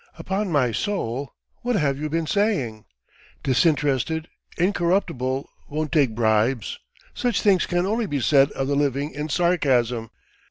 Upon my soul what have you been saying? Disinterested, incorruptible, won't take bribes! Such things can only be said of the living in sarcasm.